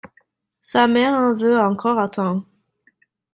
Sa mère en veut encore autant.